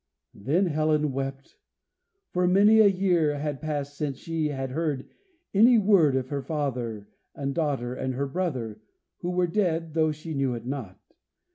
Then Helen wept; for many a year had passed since she had heard any word of her father, and daughter, and her brothers, who were dead, though she knew it not.